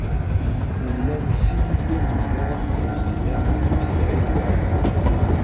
Nella nessinif i umennuɣ akked Lyamin n Saɛid Waɛmeṛ.